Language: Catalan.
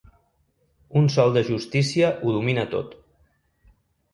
Un sol de justícia ho domina tot.